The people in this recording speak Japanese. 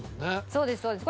そうですそうです。